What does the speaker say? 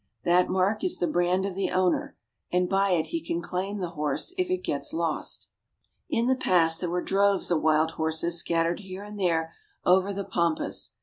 That mark is the brand of the owner, and by it he can claim the horse if it gets lost. Drying Horse Hides. In the past, there were droves of wild horses scattered here and there over the pampas.